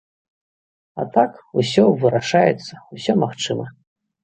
А так, усё вырашаецца, усё магчыма.